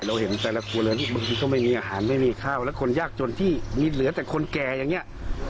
เห็นแต่ละครัวเรือนบางทีก็ไม่มีอาหารไม่มีข้าวและคนยากจนที่มีเหลือแต่คนแก่อย่างนี้